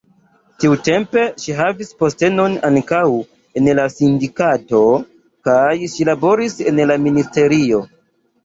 Tiutempe ŝi havis postenon ankaŭ en la sindikato kaj ŝi laboris en la ministerio.